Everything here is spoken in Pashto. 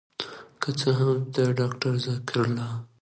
که څه هم د داکتر ذکر الله